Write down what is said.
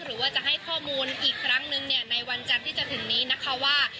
หรือว่าจะให้ข้อมูลอีกครั้งนึงเนี่ยในวันจันทร์ที่จะถึงนี้นะคะว่า